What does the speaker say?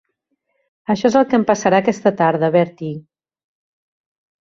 Això és el que em passarà aquesta tarda, Bertie.